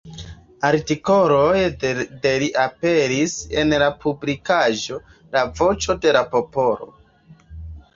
Artikoloj de li aperis en la publikaĵo "La Voĉo de la Popolo".